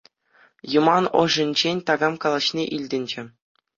Юман ӑшӗнчен такам калаҫни илтӗнчӗ.